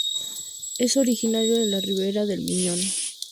Es originario de la ribera del Miño.